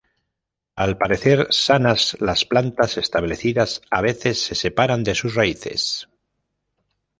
Al parecer sanas, las plantas establecidas a veces se separan de sus raíces.